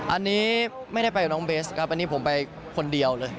อันนี้ไม่ได้ไปกับน้องเบสครับอันนี้ผมไปคนเดียวเลย